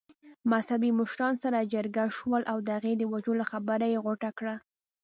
مذهبي مشران سره جرګه شول او د هغې د وژلو خبره يې غوټه کړه.